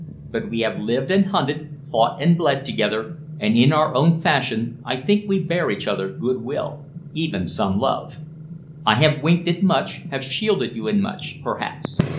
But we have lived and hunted, fought and bled together, and in our own fashion I think we bear each other good will, even some love. I have winked at much, have shielded you in much, perhaps.